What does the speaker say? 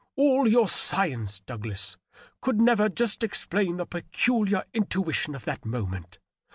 All your sci ence, Douglas, could never just explain the peculiar intuition of that moment.